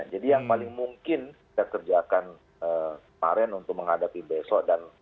jadi yang paling mungkin kita kerjakan kemarin untuk menghadapi besok dan